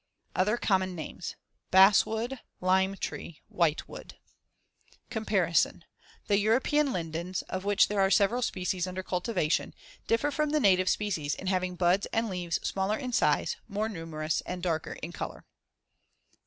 Other common names: Bass wood; lime tree; whitewood. Comparisons: The European lindens, Fig. 79, of which there are several species under cultivation, differ from the native species in having buds and leaves smaller in size, more numerous and darker in color.